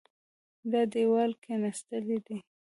دا دېوال کېناستلی دی.